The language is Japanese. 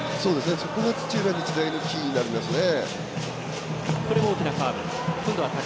そこが土浦日大のキーになりますね。